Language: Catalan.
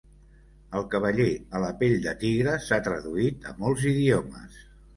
"El cavaller a la pell de tigre" s'ha traduït a molts idiomes.